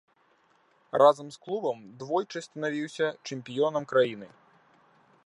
Разам з клубам двойчы станавіўся чэмпіёнам краіны.